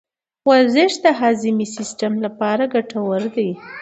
ورزش د هاضمي سیستم لپاره ګټور دی.